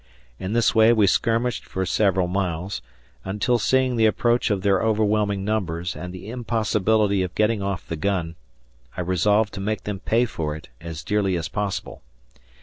In this way we skirmished for several miles, until seeing the approach of their overwhelming numbers and the impossibility of getting off the gun, I resolved to make them pay for it as dearly as possible.